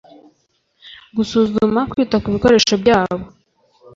Gusuzuma kwita ku bikoresho byabo